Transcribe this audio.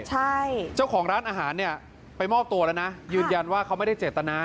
ใช่เจ้าของร้านอาหารเนี่ยไปมอบตัวแล้วนะยืนยันว่าเขาไม่ได้เจตนา